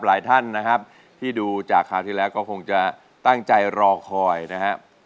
หลายท่านนะครับที่ดูจากคราวที่แล้วก็คงจะตั้งใจรอคอยนะครับ